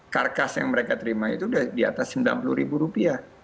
karkas yang mereka terima itu sudah di atas sembilan puluh ribu rupiah